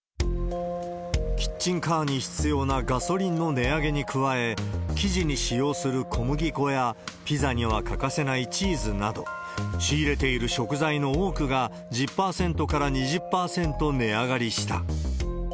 キッチンカーに必要なガソリンの値上げに加え、生地に使用する小麦粉や、ピザには欠かせないチーズなど、仕入れている食材の多くが１０％から２０％値上がりした。